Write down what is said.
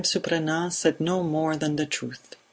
Surprenant said no more than the truth.